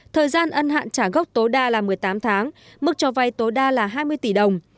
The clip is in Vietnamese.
thời gian ân hạn trả gốc tối đa là một mươi tám tháng mức cho vay tối đa là hai mươi tỷ đồng